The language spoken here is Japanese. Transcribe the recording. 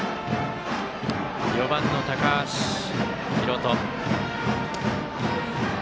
４番の高橋海翔。